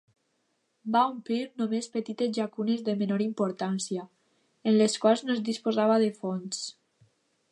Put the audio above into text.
Va "omplir" només petites llacunes de menor importància, en les quals no es disposava de fonts.